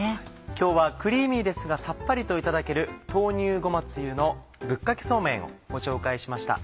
今日はクリーミーですがさっぱりといただける「豆乳ごまつゆのぶっかけそうめん」をご紹介しました。